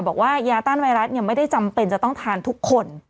บอกว่ายาต้านไวรัสไม่ได้จำเป็นจะต้องทานทุกคน